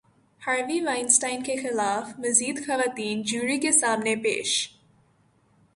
Harvey Weinstein کے خلاف مزید خواتین جیوری کے سامنے پیش